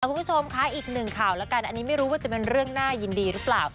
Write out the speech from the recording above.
คุณผู้ชมค่ะอีกหนึ่งข่าวแล้วกันอันนี้ไม่รู้ว่าจะเป็นเรื่องน่ายินดีหรือเปล่า